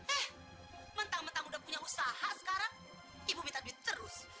eh mentang mentang udah punya usaha sekarang ibu minta duit terus